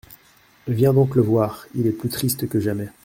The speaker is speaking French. Viens donc le voir, il est plus triste que jamais !